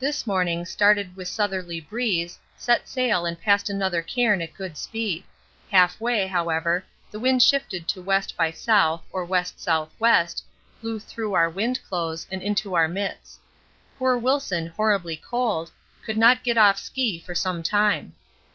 This morning started with southerly breeze, set sail and passed another cairn at good speed; half way, however, the wind shifted to W. by S. or W.S.W., blew through our wind clothes and into our mits. Poor Wilson horribly cold, could not get off ski for some time.